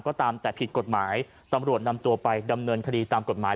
ก็ตามแต่ผิดกฎหมายตำรวจนำตัวไปดำเนินคดีตามกฎหมาย